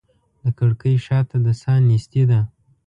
د کړکۍ شاته د ساه نیستي ده